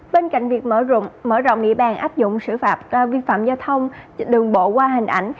bên cạnh việc mở rộng ị bàn áp dụng sử phạm vi phạm giao thông đường bộ qua hình ảnh